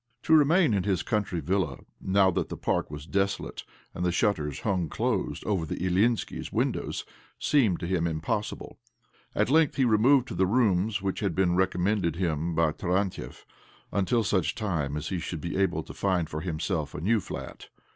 To re main in his country villa, now that the park was .desolate and the shutters hung closed over the Ilyinskis' windows, seemed to him impossible. At length he removed to the rooms which had been recommended him by Tarantiev, until such time as he should be able to find for himself a new flat.